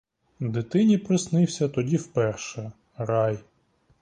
Дитині приснився тоді вперше — рай.